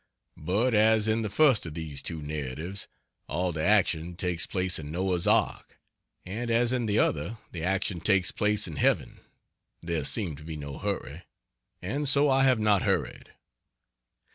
But as in the first of these two narratives all the action takes place in Noah's ark, and as in the other the action takes place in heaven, there seemed to be no hurry, and so I have not hurried.